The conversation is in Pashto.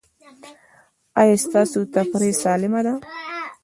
ایا ستاسو تفریح سالمه ده؟